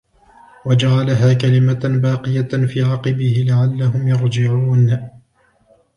وجعلها كلمة باقية في عقبه لعلهم يرجعون